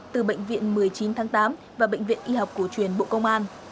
từ bệnh viện một mươi chín tháng tám và bệnh viện y học cổ truyền bộ công an